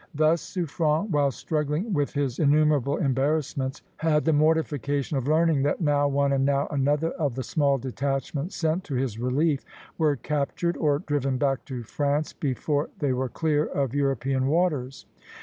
Thus Suffren, while struggling with his innumerable embarrassments, had the mortification of learning that now one and now another of the small detachments sent to his relief were captured, or driven back to France, before they were clear of European waters.